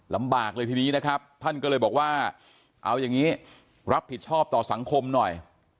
ลำบากเลยทีนี้นะครับท่านก็เลยบอกว่าเอาอย่างนี้รับผิดชอบต่อสังคมหน่อย